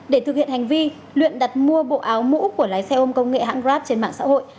để thực hiện hành vi luyện đặt mua bộ áo mũ của lái xe ôm công nghệ hãng grab trên mạng xã hội